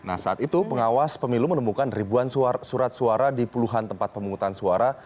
nah saat itu pengawas pemilu menemukan ribuan surat suara di puluhan tempat pemungutan suara